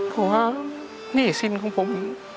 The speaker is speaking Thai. ผมว่านี่จิตของผม